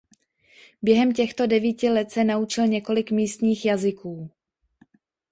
Během těchto devíti let se naučil několik místních jazyků.